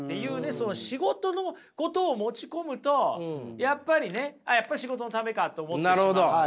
その仕事のことを持ち込むとやっぱりねあっやっぱ仕事のためかと思ってしまうので。